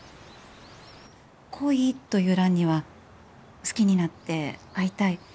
「恋」という欄には「好きになって会いたい」